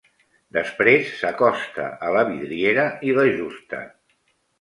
Després s'acosta a la vidriera i l'ajusta.